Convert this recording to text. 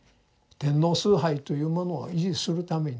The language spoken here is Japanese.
天皇崇拝というものを維持するためにですね